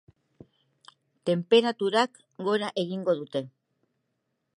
Tenperaturak gora egingo dute.